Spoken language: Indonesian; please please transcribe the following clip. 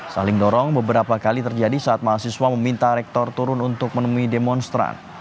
saling dorong beberapa kali terjadi saat mahasiswa meminta rektor turun untuk menemui demonstran